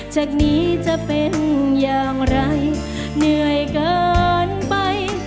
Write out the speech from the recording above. จากนี้จะเป็นอย่างไรเหนื่อยเกินไป